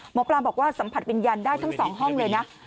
หมอปลาบอกว่าสัมผัสวิญญาณได้ทั้ง๒ห้องเลยนะ